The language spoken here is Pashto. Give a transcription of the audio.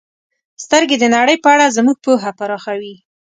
• سترګې د نړۍ په اړه زموږ پوهه پراخوي.